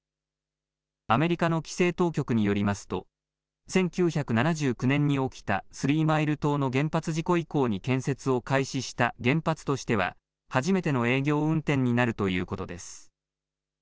アメリカの規制当局によりますと１９７９年に起きたスリーマイル島の原発事故以降に建設を開始した原発としては初めての営業運転になるということです。